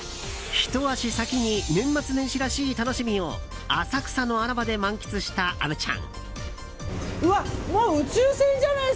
ひと足先に年末年始らしい楽しみを浅草の穴場で満喫した虻ちゃん。